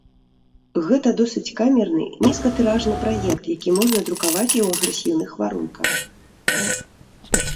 Гэта досыць камерны, нізкатыражны праект, які можна друкаваць і ў агрэсіўных варунках.